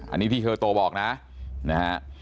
อันนี้ที่เฮโตบอกนะนะฮะ